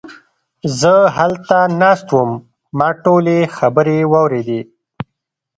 زه هلته ناست وم، ما ټولې خبرې واوريدې!